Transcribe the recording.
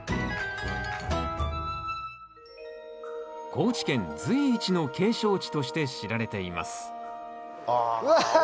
高知県随一の景勝地として知られていますあ。